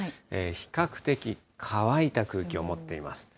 比較的乾いた空気を持っています。